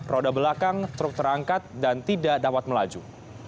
roda belakang truk terangkat dan tidak dapat melaju